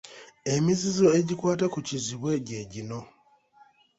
Emizizo egikwata ku Kiziibwe gye gino;